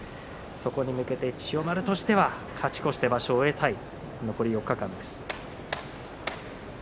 そこに向けて千代丸としては勝ち越して場所を終えたい残り４日間です。